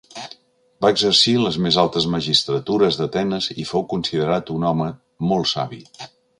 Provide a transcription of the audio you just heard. Va exercir les més altes magistratures d'Atenes i fou considerat un home molt savi.